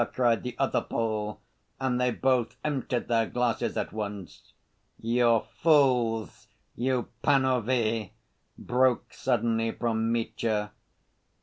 cried the other Pole, and they both emptied their glasses at once. "You're fools, you panovie," broke suddenly from Mitya.